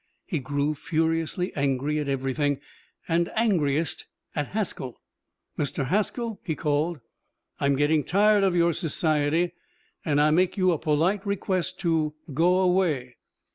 He grew furiously angry at everything, and angriest at Haskell. "Mr. Haskell," he called, "I'm getting tired of your society, and I make you a polite request to go away."